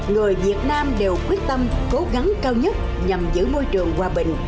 người việt nam đều quyết tâm cố gắng cao nhất nhằm giữ môi trường hòa bình